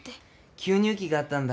吸入器があったんだ。